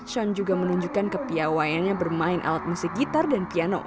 shan juga menunjukkan kepiawayannya bermain alat musik gitar dan piano